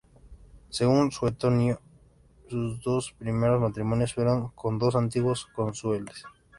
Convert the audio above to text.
Según Suetonio, sus dos primeros matrimonios fueron con dos antiguos cónsules.